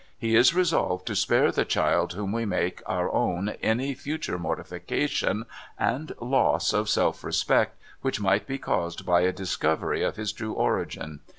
He is resolved to spare the child whom we make our own any future mortification and loss of self respect which might be caused by a discovery of his true origin.